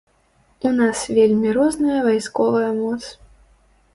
У нас вельмі розная вайсковая моц.